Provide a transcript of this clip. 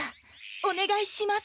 おねがいします。